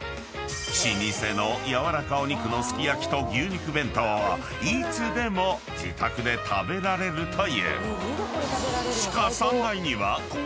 ［老舗の軟らかお肉のすき焼と牛肉弁当をいつでも自宅で食べられるという］